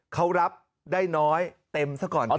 เขารับได้น้อยเต็มซะก่อน